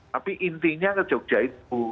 tapi intinya ke jogja itu